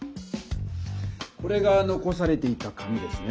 これがのこされていた紙ですね。